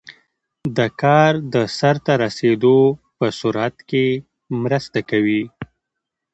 د کار د سرته رسیدو په سرعت کې مرسته کوي.